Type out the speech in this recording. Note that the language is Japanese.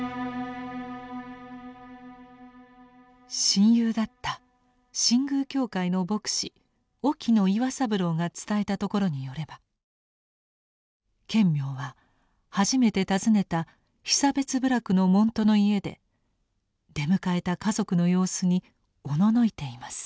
親友だった新宮教会の牧師沖野岩三郎が伝えたところによれば顕明は初めて訪ねた被差別部落の門徒の家で出迎えた家族の様子におののいています。